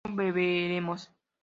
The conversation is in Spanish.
no beberemos